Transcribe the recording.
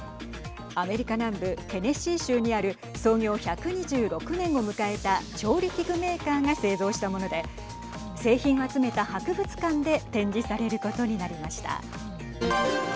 アメリカ南部テネシー州にある創業１２６年を迎えた調理器具メーカーが製造したもので製品を集めた博物館で展示されることになりました。